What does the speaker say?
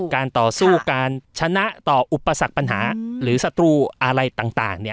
การต่อสู้การชนะต่ออุปสรรคปัญหาอืมหรือสัตว์อะไรต่างต่างเนี่ย